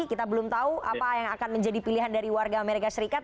kita belum tahu apa yang akan menjadi pilihan dari warga amerika serikat